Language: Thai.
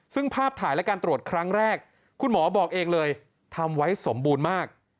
ซึ่งภาพถ่ายและการตรวจครั้งแรกคุณหมอบอกเองเลยทำไว้สมบูรณ์มาก